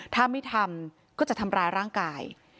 ถ้าไม่ทำก็จะทำร้ายร่างกาย